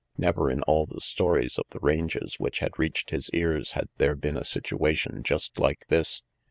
Never, in all the stories of the ranges which had reached his ears, had there been a situation just like this.